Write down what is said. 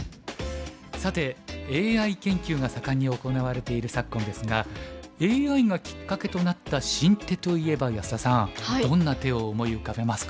さてＡＩ研究が盛んに行われている昨今ですがＡＩがきっかけとなった新手といえば安田さんどんな手を思い浮かべますか？